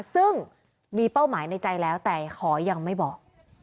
ซึ่งมีเป้าหมายในใจแล้วแต่ขอยังไม่บอก